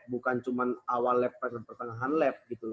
bukan cuman awal lab sampai ke pertengahan lab gitu loh